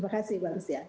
terima kasih mbak rusia